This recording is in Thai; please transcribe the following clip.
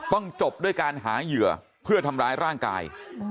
จบด้วยการหาเหยื่อเพื่อทำร้ายร่างกาย